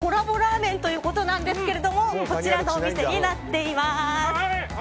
これは異色のコラボラーメンということなんですがこちらのお店になっています。